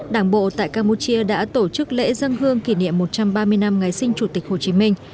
đảng bộ tại campuchia đã tổ chức lễ dân hương kỷ niệm một trăm ba mươi năm ngày sinh chủ tịch hồ chí minh